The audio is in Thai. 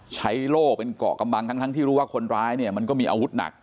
โล่เป็นเกาะกำบังทั้งที่รู้ว่าคนร้ายเนี่ยมันก็มีอาวุธหนัก